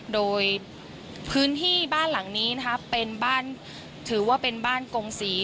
โดยพื้นที่บ้านหลังนี้ถือว่าเป็นบ้านกงศรี